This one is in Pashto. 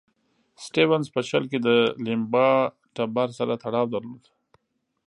سټیونز په شل کې د لیمبا ټبر سره تړاو درلود.